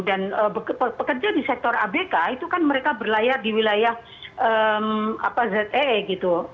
dan pekerja di sektor abk itu kan mereka berlayar di wilayah zee gitu